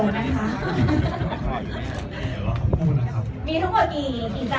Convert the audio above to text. เดี๋ยวจะมีเป็นขอแรงค่ะ